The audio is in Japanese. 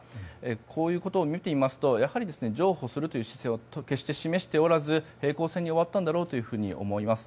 こういうことを見ていますと譲歩するという姿勢は決して示しておらず平行線に終わったんだろうと思います。